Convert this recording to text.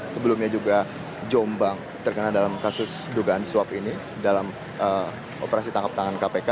sebelumnya juga jombang terkena dalam kasus dugaan suap ini dalam operasi tangkap tangan kpk